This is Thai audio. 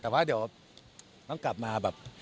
แต่ว่าเดี๋ยวต้องกลับมาแบบ